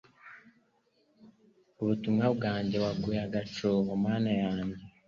Umutima wanjye waguye agacuho Mana yanjye